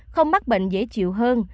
không mắc bệnh dễ chịu hơn